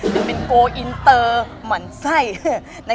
จะเป็นโก้อินเตอร์หมั่นไส้